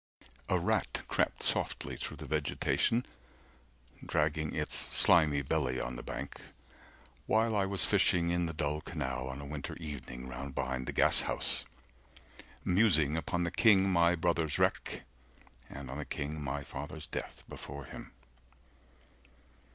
A rat crept softly through the vegetation Dragging its slimy belly on the bank While I was fishing in the dull canal On a winter evening round behind the gashouse. 190 Musing upon the king my brother's wreck And on the king my father's death before him.